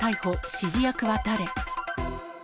指示役は誰？